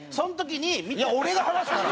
俺が話すから！